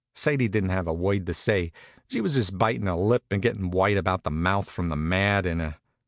Sadie didn't have a word to say. She was just bitin' her lip, and gettin' white about the mouth from the mad in her.